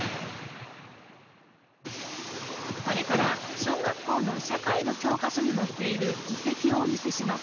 これから小学校の社会の教科書に載っている遺跡をお見せします